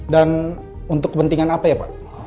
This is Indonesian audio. dan untuk kepentingan apa ya pak